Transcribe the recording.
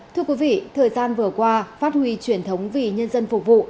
thưa quý vị thời gian vừa qua phát huy truyền thống vì nhân dân phục vụ